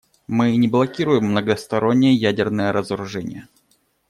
Мы не блокируем многостороннее ядерное разоружение.